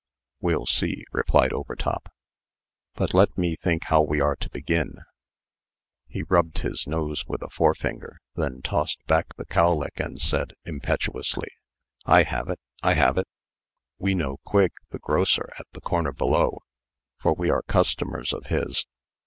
"We'll see," replied Overtop. "But let me think how we are to begin." He rubbed his nose with a forefinger, then tossed back the cowlick, and said, impetuously: "I have it I have it! We know Quigg, the grocer, at the corner below, for we are customers of his.